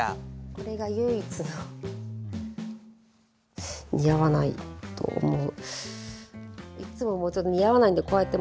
これが唯一の似合わないと思う。